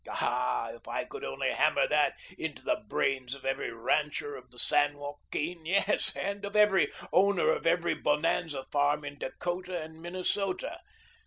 Ah, if I could only hammer that into the brains of every rancher of the San Joaquin, yes, and of every owner of every bonanza farm in Dakota and Minnesota.